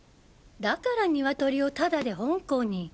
だからニワトリをタダで本校に。